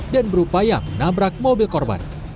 dan berupaya menabrak mobil korban